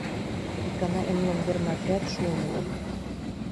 Икана эмлымвер мартеат шуын ыле.